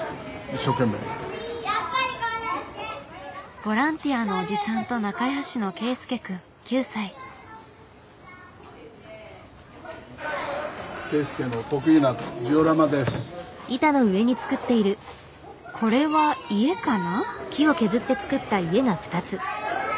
ボランティアのおじさんと仲良しのこれは家かな？